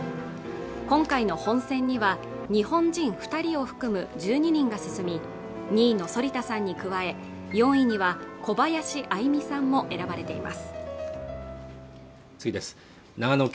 今回の本選には日本人二人を含む１２人が進み２位の反田さんに加え４位には小林愛実さんも選ばれています